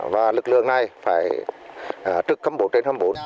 và lực lượng này phải trực khấm bốn trên hai mươi bốn